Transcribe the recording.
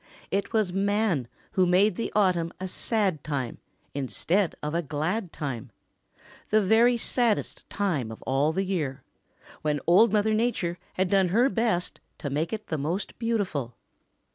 It was man who had made the autumn a sad time instead of a glad time, the very saddest time of all the year, when Old Mother Nature had done her best to make it the most beautiful.